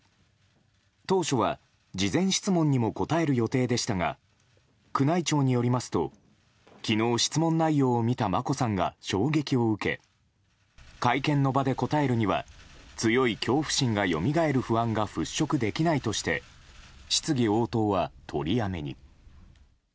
当初は事前質問にも答える予定でしたが宮内庁によりますと昨日、質問内容を見た眞子さんが衝撃を受け会見の場で答えるには強い恐怖心がよみがえる不安が払しょくできないとして質疑応答は取りやめに。